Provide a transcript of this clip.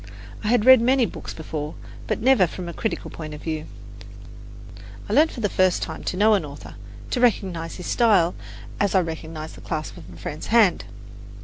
I had read many books before, but never from a critical point of view. I learned for the first time to know an author, to recognize his style as I recognize the clasp of a friend's hand.